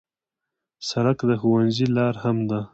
سړک د ښوونځي لار هم ده.